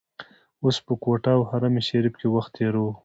اوس په کوټه او حرم شریف کې وخت تیروو.